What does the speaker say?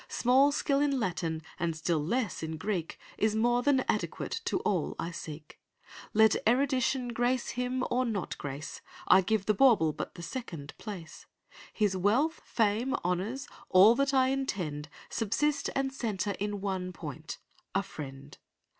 Small skill in Latin, and still less in Greek, Is more than adequate to all I seek. Let erudition grace him or not grace, I give the bauble but the second place; His wealth, fame, honours, all that I intend Subsist and centre in one point—a friend.